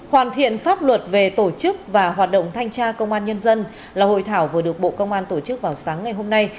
hoàn thiện pháp luật về tổ chức và hoạt động thanh tra công an nhân dân là hội thảo vừa được bộ công an tổ chức vào sáng ngày hôm nay